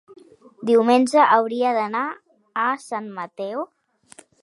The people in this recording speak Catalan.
Diumenge hauria d'anar a Sant Mateu.